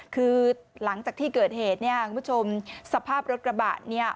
คือหลังจากที่เกิดเหตุเนี่ยคุณผู้ชมสภาพรถกระบะเนี่ย